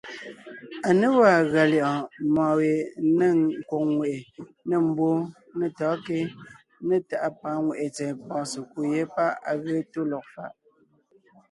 À ně gwàa gʉa lyɛ̌ʼɔɔn mɔ̌ɔn we nêŋ nkwòŋ ŋweʼe, nê mbwóon, nê tɔ̌ɔnkě né tàʼa pàga ŋwàʼne tsɛ̀ɛ pɔ̀ɔn sekúd yé páʼ à ge tó lɔg faʼ.